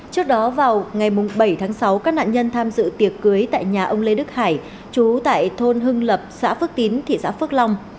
trước đó vào ngày bảy tháng sáu các nạn nhân tham dự tiệc cưới tại nhà ông lê đức hải chú tại thôn hưng lập xã phước tín thị xã phước long